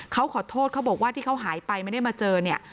เขาขอโทษเขาบอกว่าที่เขาหายไปไม่ได้มาเจอเนี่ย